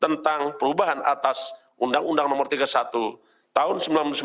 tentang perubahan atas undang undang nomor tiga puluh satu tahun seribu sembilan ratus sembilan puluh